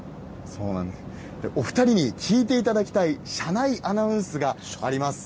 お２人に聞いていただきたい車内アナウンスがあります。